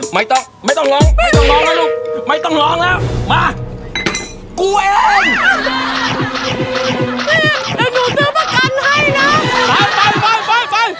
ไม่ทานแล้วไม่ทานแล้วใส่ไป